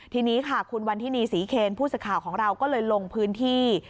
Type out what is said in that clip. ทีนี้ค่ะคุณวันทินีศรีเคนผู้สื่อข่าวของเราก็เลยลงพื้นที่